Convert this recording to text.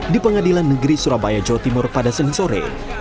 di pengadilan negeri surabaya jawa timur pada senin sore